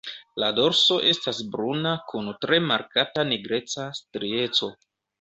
La dorso estas bruna kun tre markata nigreca strieco.